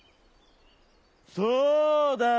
「そうだよ。